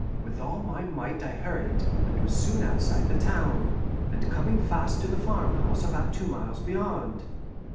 With all my might I hurried, and was soon outside the town, and coming fast to the farmhouse about two miles beyond.